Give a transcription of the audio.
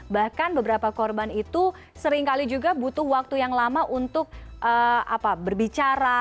bahkan beberapa korban itu seringkali juga butuh waktu yang lama untuk berbicara